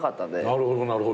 なるほどなるほど。